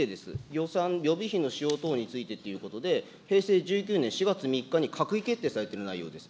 予算、予備費の使用等について、平成１９年４月３日に閣議決定されている内容です。